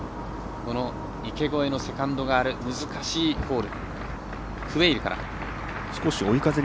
池越えのセカンドがある難しいホール。